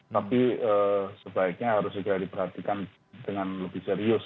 tapi sebaiknya harus segera diperhatikan dengan lebih serius